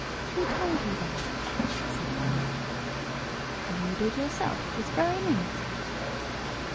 "Who told you that?" said Tom. "You did yourself, this very minute."